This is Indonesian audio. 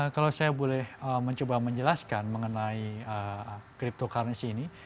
kalau saya boleh mencoba menjelaskan mengenai cryptocurrency ini